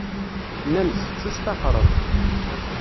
- Nnan-d tettusṭaxreḍ.